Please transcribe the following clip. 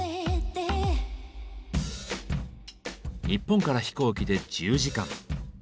日本から飛行機で１０時間。